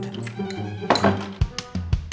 seneng nih bergurau